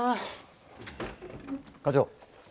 課長。